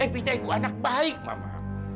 epic itu anak baik mama